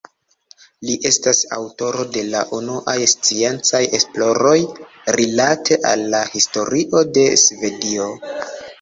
Li estas aŭtoro de la unuaj sciencaj esploroj rilate al la historio de Svedio.